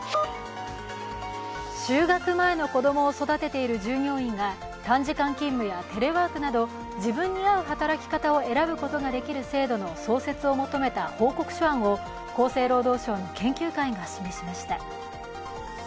就学前の子供を育てている従業員が短時間勤務やテレワークなど、自分に合う働き方を選ぶことができる制度の創設を求めた報告書案を厚生労働省の研究会が示しました。